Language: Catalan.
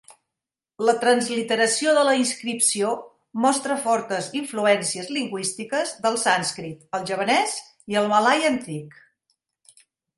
La transliteració de la inscripció mostra fortes influències lingüístiques del sànscrit, el javanès i el malai antic.